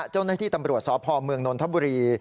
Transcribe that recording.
เจ้าหน้าที่ตำรวจสพเมืองนนทบุรี